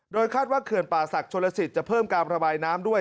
คาดว่าเขื่อนป่าศักดิ์ชนลสิตจะเพิ่มการระบายน้ำด้วย